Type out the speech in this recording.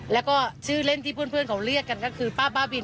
แล้วก็ชื่อเล่นที่เพื่อนเขาเรียกกันก็คือป้าบ้าบิน